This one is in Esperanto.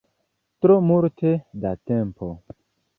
Tro multe da tempo.